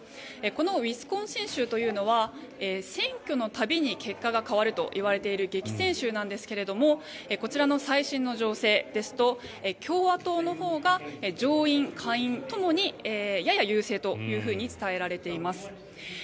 このウィスコンシン州というのは選挙の度に結果が変わるといわれている激戦州なんですがこちらの最新の情勢ですと共和党のほうが上院・下院ともに、やや優勢と伝えられています。